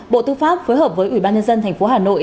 bộ tư pháp phối hợp với ủy ban nhân dân thành phố hà nội